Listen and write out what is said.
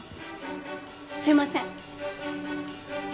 すいません。